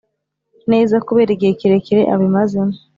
neza kubera igihe kirekire abimazemo